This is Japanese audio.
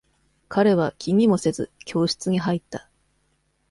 彼は気にもせず、教室に入った。